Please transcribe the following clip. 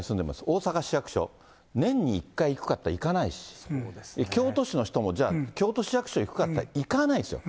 大阪市役所、年に１回行くかっていったら、行かないし、京都市の人も、じゃあ、京都市役所行くかっていったら、行かないですよ。